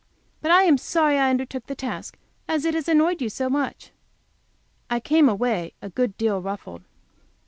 But I am sorry I undertook the task as it has annoyed you so much." I came away a good deal ruffled.